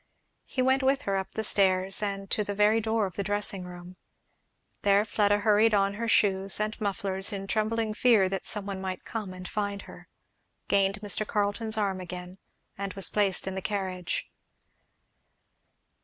He went with her up the stairs, and to the very door of the dressing room. There Fleda hurried on her shoes and mufflers in trembling fear that some one might come and find her, gained Mr. Carleton's arm again, and was placed in the carriage.